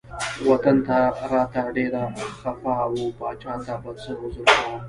وطن ته راته ډیر خپه و پاچا ته به څه عذر کوم.